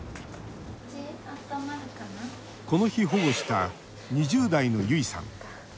この日、保護した２０代のゆいさん。